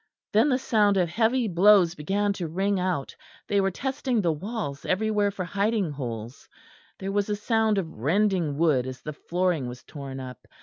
Then the sound of heavy blows began to ring out; they were testing the walls everywhere for hiding holes; there was a sound of rending wood as the flooring was torn up.